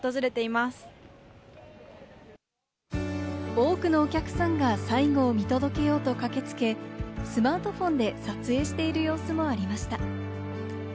多くのお客さんが最後を見届けようと駆けつけ、スマートフォンで撮影している様子もありました。